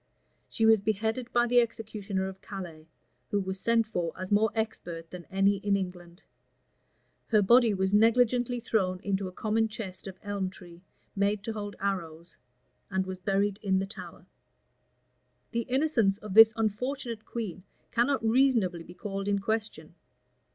[*] She was beheaded by the executioner of Calais, who was sent for as more expert than any in England. Her body was negligently thrown into a common chest of elm tree, made to hold arrows, and was buried in the Tower. * Burnet. vol. i. p. 205. The innocence of this unfortunate queen cannot reasonably be called in question.